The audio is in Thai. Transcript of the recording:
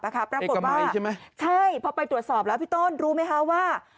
เอกไหมใช่ไหมใช่พอไปตรวจสอบแล้วพี่โต้นรู้ไหมคะว่า